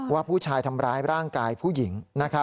ว่าผู้ชายทำร้ายร่างกายผู้หญิง